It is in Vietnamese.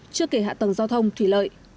chưa kể hạ tầng giao thông thủy lợi